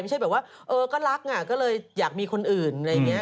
ไม่ใช่แบบว่าเออก็รักอ่ะก็เลยอยากมีคนอื่นอะไรอย่างนี้